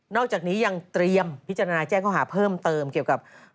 อกจากนี้ยังเตรียมพิจารณาแจ้งข้อหาเพิ่มเติมเกี่ยวกับ